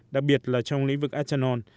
đặc biệt là trong lĩnh vực ethanol